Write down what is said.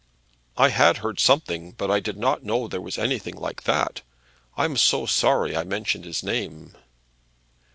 "I had heard something, but I did not know there was anything like that. I'm so sorry I mentioned his name."